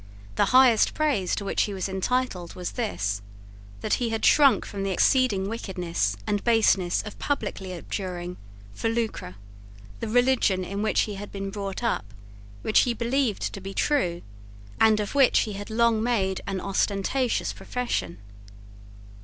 The highest praise to which he was entitled was this, that he had shrunk from the exceeding wickedness and baseness of publicly abjuring, for lucre, the religion in which he had been brought up, which he believed to be true, and of which he had long made an ostentatious profession.